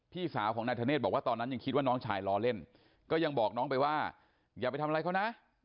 พี่สาวของนายธเนธบอกว่าตอนนั้นยังคิดว่าน้องชายล้อเล่นก็ยังบอกน้องไปว่าอย่าไปทำอะไรเขานะ